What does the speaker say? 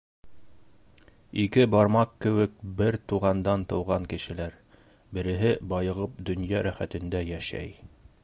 Ике бармаҡ кеүек бер туғандан тыуған кешеләр, береһе байығып донъя рәхәтендә йәшәй.